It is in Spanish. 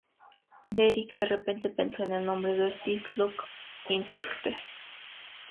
Deryck de repente pensó en el nombre "Does This Look Infected?